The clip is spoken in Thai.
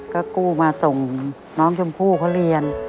ก็กู้มาส่งน้องชมพู่เขาเรียน